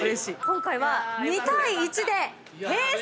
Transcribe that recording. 今回は２対１でＨｅｙ！